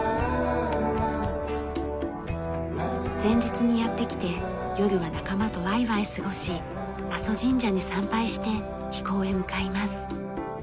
前日にやって来て夜は仲間とワイワイ過ごし阿蘇神社に参拝して飛行へ向かいます。